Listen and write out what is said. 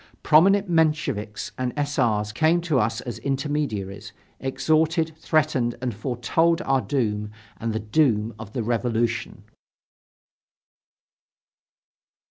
Prominent Mensheviks and S. R.'s came to us as intermediaries, exhorted, threatened and foretold our doom and the doom of the Revolution.